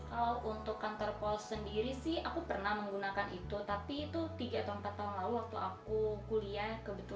kalau untuk kantor pos sendiri sih aku pernah menggunakan itu